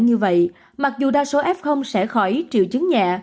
như vậy mặc dù đa số f sẽ khỏi triệu chứng nhẹ